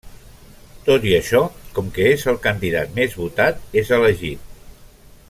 Tot i això, com que és el candidat més votat, és elegit.